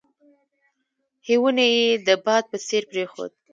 هیوني یې د باد په څېر پرېښود.